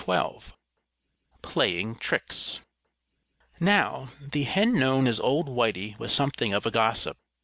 XII PLAYING TRICKS Now, the hen known as old Whitey was something of a gossip.